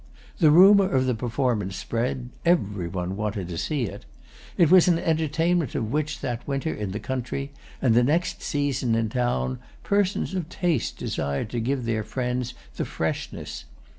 The rumour of the performance spread; every one wanted to see it. It was an entertainment of which, that winter in the country, and the next season in town, persons of taste desired to give their friends the freshness.